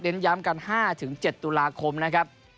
ย้ำกัน๕๗ตุลาคมนะครับ